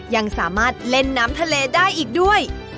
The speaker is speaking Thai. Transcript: ยังสามารถเล่นน้ำทะเลได้อีกด้วย